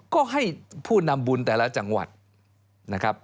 ก็ให้ผู้นำบุญแต่ละจังหวัดนะครับ